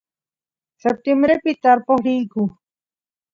septiembrepi tarpoq riyku